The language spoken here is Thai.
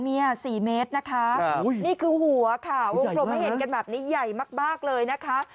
ตัวหาวนี้๔เมตรนี่คือหัววงโครบให้เห็นแบบนี้ใหญ่มากเลยนะคะ